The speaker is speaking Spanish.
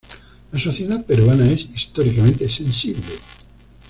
La sociedad peruana es históricamente sensible.